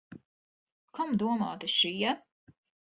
Kam domāti šie?